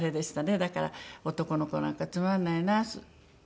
だから男の子なんかつまらないな。